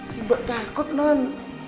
sibuk takut non